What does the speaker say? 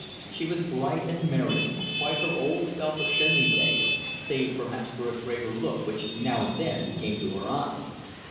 She was bright and merry, quite her old self of Shenley days, save perhaps for a graver look which now and then came to her eyes.